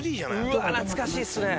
うわっ懐かしいっすね。